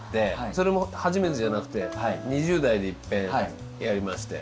それも初めてじゃなくて２０代でいっぺんやりまして。